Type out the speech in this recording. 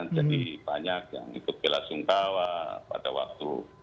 jadi banyak yang ikut bela sungkawa pada waktu